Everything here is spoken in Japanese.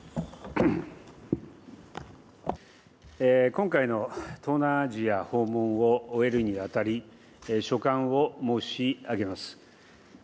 今回の東南アジア訪問を終えるにあたり、所感を申し上げます。